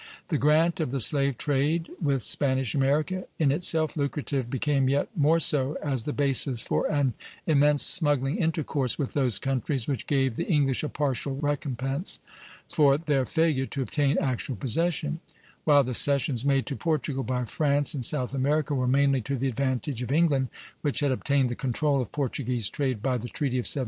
The grant of the slave trade with Spanish America, in itself lucrative, became yet more so as the basis for an immense smuggling intercourse with those countries, which gave the English a partial recompense for their failure to obtain actual possession; while the cessions made to Portugal by France in South America were mainly to the advantage of England, which had obtained the control of Portuguese trade by the treaty of 1703.